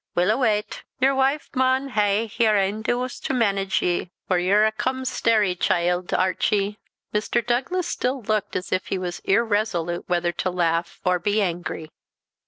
Weel a wat, yer wife maun hae her ain adoos to manage ye, for ye're a cumstairy chield, Archie." Mr. Douglas still looked as if he was irresolute whether to laugh or be angry.